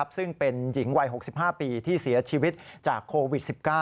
ซึ่งเป็นหญิงวัย๖๕ปีที่เสียชีวิตจากโควิด๑๙